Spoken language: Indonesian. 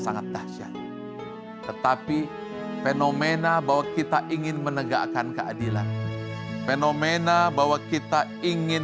sangat dahsyat tetapi fenomena bahwa kita ingin menegakkan keadilan fenomena bahwa kita ingin